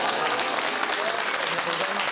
ありがとうございます。